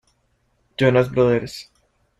Jonas Brothers.